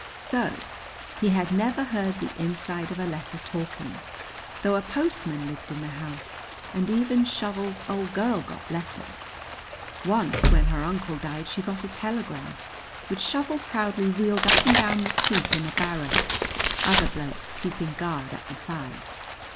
So he had never heard the inside of a letter talking, though a postman lived in the house, and even Shovel's old girl got letters; once when her uncle died she got a telegram, which Shovel proudly wheeled up and down the street in a barrow, other blokes keeping guard at the side.